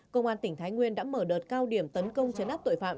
công an tỉnh thái nguyên đã mở đợt cao điểm tấn công chấn áp tội phạm